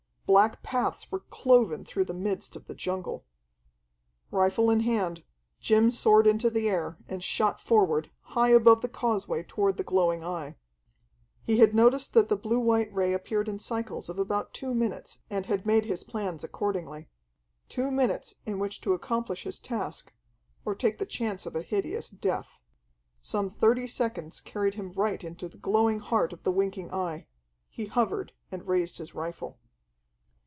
Black paths were cloven through the midst of the jungle. Rifle in hand, Jim soared into the air, and shot forward, high above the causeway toward the glowing Eye. He had noticed that the blue white ray appeared in cycles of about two minutes, and had made his plans accordingly. Two minutes in which to accomplish his task, or take the chance of a hideous death. Some thirty seconds carried him right into the glowing heart of the winking Eye: he hovered and raised his rifle.